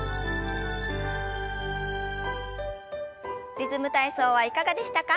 「リズム体操」はいかがでしたか？